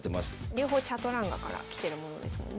両方チャトランガからきてるものですもんね。